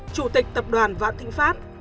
chủ tịch tập đoàn vạn thịnh pháp